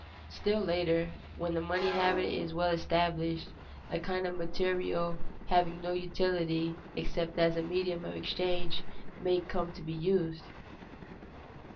Still later, when the money habit is well established, a kind of material having no utility except as a medium of exchange may come to be used.